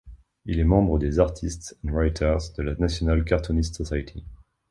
Il est membre de Artists and Writers, de la National Cartoonists Society.